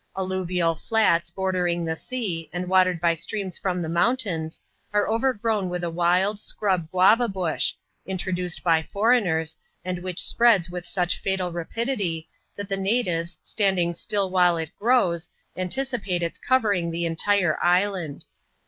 Alluvial flats bordering the sea, and watered by streams from the mountains, are overgrown with a wild, scrub guava bush, introduced by j foreigners, and which spreads with such fatal rapidity, that the natives, standing still while it grows, anticipate its covering the entire island.